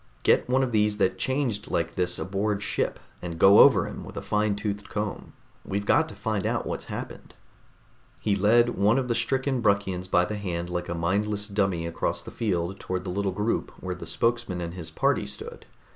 "Get one of these that changed like this aboard ship and go over him with a fine toothed comb. We've got to find out what's happened." He led one of the stricken Bruckians by the hand like a mindless dummy across the field toward the little group where the spokesman and his party stood.